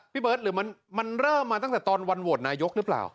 เบิร์ตหรือมันเริ่มมาตั้งแต่ตอนวันโหวตนายกหรือเปล่า